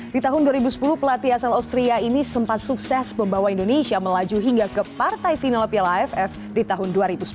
di tahun dua ribu sepuluh pelatih asal austria ini sempat sukses membawa indonesia melaju hingga ke partai final piala aff di tahun dua ribu sepuluh